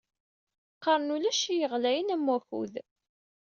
Qqaren ulac i yeɣlayen m wakud.